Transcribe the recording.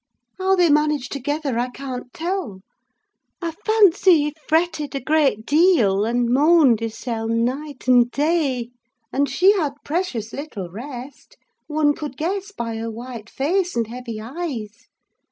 "How they managed together, I can't tell. I fancy he fretted a great deal, and moaned hisseln night and day; and she had precious little rest: one could guess by her white face and heavy eyes.